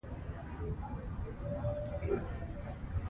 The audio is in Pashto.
نه یې بیرته سوای قفس پیدا کولای